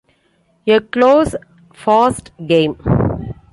A close, fast game.